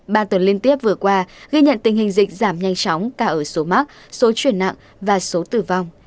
ba tuần liên tiếp vừa qua ghi nhận tình hình dịch giảm nhanh chóng cả ở số mắc số chuyển nặng và số tử vong